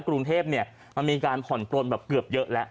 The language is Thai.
กรุงเทพมันมีการผ่อนปลนแบบเกือบเยอะแล้ว